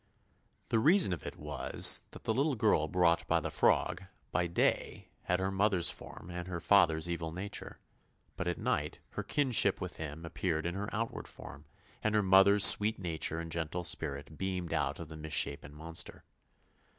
The reason of it was that the little girl brought by the frog, by day had her mother's form and her father's evil nature ; but at night her kinship with him appeared in her outward form, and her mother's sweet nature and gentle spirit beamed out of the misshapen monster.